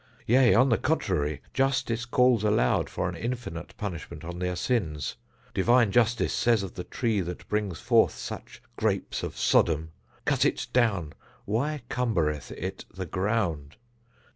Yea, on the contrary, justice calls aloud for an infinite punishment on their sins. Divine justice says of the tree that brings forth such grapes of Sodom, "Cut it down, why cumbereth it the ground?"